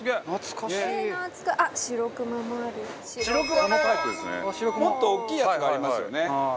バカリズム：もっと大きいやつがありますよね。